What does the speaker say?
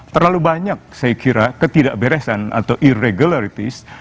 terlalu banyak saya kira ketidakberesan atau irregularities